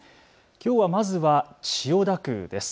きょうはまずは千代田区です。